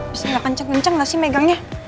bisa gak kenceng kenceng gak sih megangnya